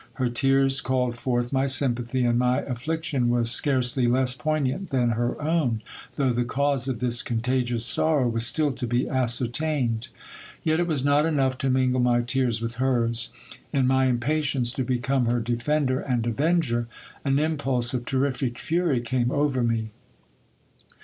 Her tears called forth my sympathy, and my affliction was scarcely less poignant than her own, though the cause of this contagious sorrow was still to be ascertained. Yet it was not enough to mingle my tears with hers ; in my impatience to become her defender and avenger, an impulse of terrific fury came over me.